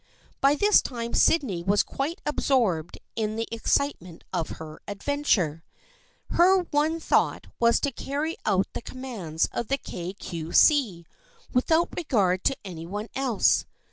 By this time Sydney was quite absorbed in the excitement of her adventure. Her one thought was to carry out the commands of the Kay Cue See, without regard to anything else.